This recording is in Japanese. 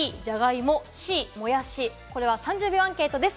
３０秒アンケートです。